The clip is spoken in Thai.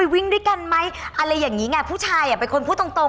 วันหรือเปล่าอะไรอย่างนี้ไหม